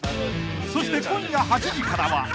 ［そして今夜８時からは］